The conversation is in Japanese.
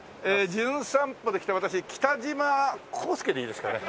『じゅん散歩』で来た私北島康介でいいですかね？